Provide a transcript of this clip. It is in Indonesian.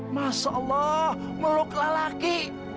masya allah meluk lelaki